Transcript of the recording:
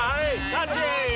タッチ！